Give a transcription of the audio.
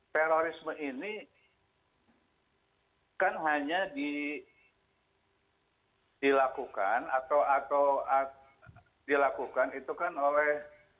terorisme ini kan hanya dilakukan atau dilakukan itu kan oleh